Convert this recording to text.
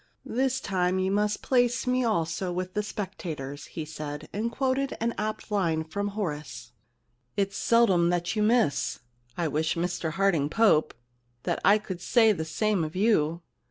* This time you must place me also with the spectators,* he said, and quoted an apt line of Horace. * It is seldom that you miss. I wish Mr Harding Pope, that I could say the same of you.